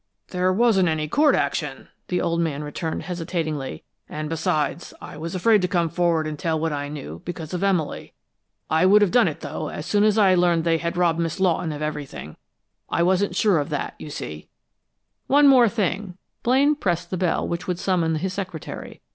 "There wasn't any court action," the old man returned, hesitatingly. "And besides, I was afraid to come forward and tell what I knew, because of Emily. I would have done it, though, as soon as I learned they had robbed Miss Lawton of everything. I wasn't sure of that, you see." "One thing more!" Blaine pressed the bell which would summon his secretary.